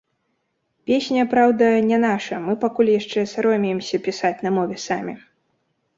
Песня, праўда, не наша, мы пакуль яшчэ саромеемся пісаць на мове самі.